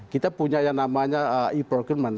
kita punya yang namanya e procurement